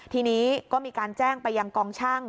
ทีนี้ก็มีการแจ้งไปยังกองช่าง